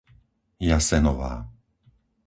Jasenová